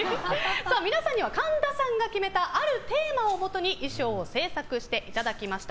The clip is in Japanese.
皆さんには神田さんが決めたあるテーマをもとに衣装を制作していただきました。